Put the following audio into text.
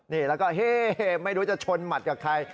นี่แล้วก็เฮ้ไม่รู้จะชนหมัดกับใคร